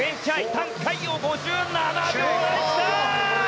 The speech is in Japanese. タン・カイヨウ５７秒台、来た！